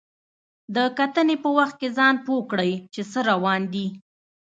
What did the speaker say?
د کتنې په وخت کې ځان پوه کړئ چې څه روان دي.